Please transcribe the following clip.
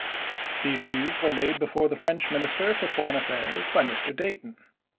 These views were laid before the French Minis ter for Foreign Affairs by Mr. Dayton. M.